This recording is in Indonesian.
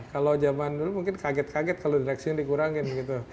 kalau zaman dulu mungkin kaget kaget kalau direksinya dikurangin gitu